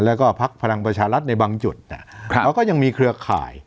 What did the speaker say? แล้วก็ภักดิ์พลังประชาลัดในบางจุดครับแล้วก็ยังมีเครือข่าย